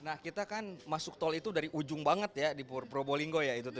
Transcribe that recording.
nah kita kan masuk tol itu dari ujung banget ya di probolinggo ya itu tuh